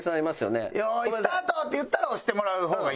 「用意スタート」って言ったら押してもらう方がいいんじゃない。